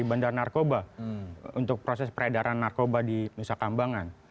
bandara narkoba untuk proses peredaran narkoba di nusa kambangan